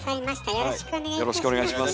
よろしくお願いします。